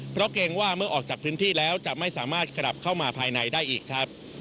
เพราะเกรงว่าเมื่อออกจากพื้นที่แล้วจะไม่สามารถกลับเข้ามาภายในได้อีกครับ